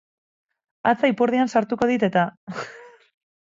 Hatza ipurdian sartuko dit-eta.